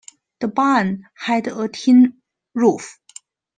The barn had a tin roof.